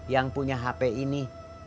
yang punya hp ini